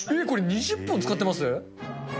これ、２０本使ってます？